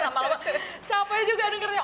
lama lama capek juga dengernya